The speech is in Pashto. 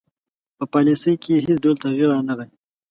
په پالیسي کې یې هیڅ ډول تغیر رانه غی.